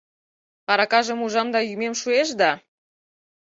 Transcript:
Аракажым ужам да йӱмем шуэш да